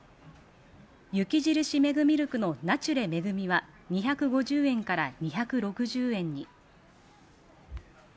雪印メグミルクの「ナチュレ恵」は２５０円から２６０円に。